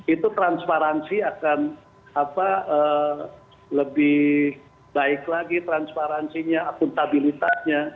itu transparansi akan lebih baik lagi transparansinya akuntabilitasnya